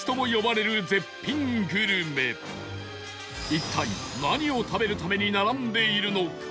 一体何を食べるために並んでいるのか？